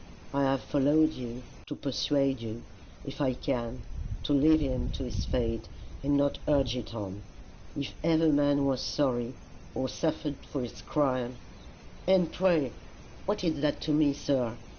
I have followed you to persuade you, if I can, to leave him to his fate and not urge it on. If ever man was sorry, or suffered for his crime, " "And pray what is that to me, sir?"